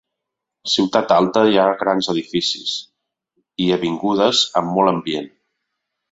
Ciutat Alta hi han grans edificis i avingudes amb molt ambient.